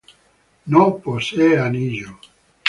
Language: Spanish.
No posee anillo.